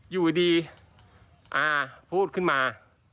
อยู่ดีอาพูดขึ้นมา